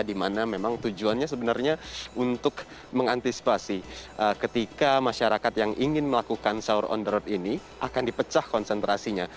di mana memang tujuannya sebenarnya untuk mengantisipasi ketika masyarakat yang ingin melakukan sahur on the road ini akan dipecah konsentrasinya